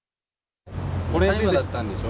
大麻だったんでしょ。